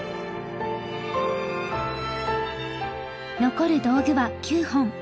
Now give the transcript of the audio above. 残る道具は９本。